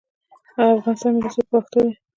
د افغانستان ملي سرود په پښتو دی